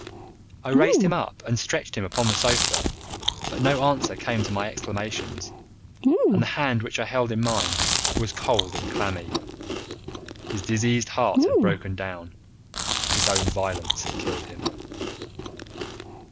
I raised him up and stretched him upon the sofa, but no answer came to my exclamations, and the hand which I held in mine was cold and clammy. His diseased heart had broken down. His own violence had killed him.